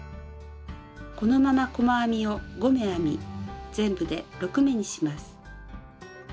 このまま細編みを５目編み全部で６目にします。